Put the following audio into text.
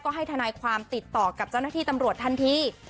ให้ทนายความติดต่อกับเจ้าหน้าที่ตำรวจทันที